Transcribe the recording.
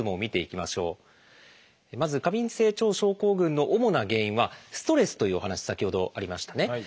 まず過敏性腸症候群の主な原因はストレスというお話先ほどありましたね。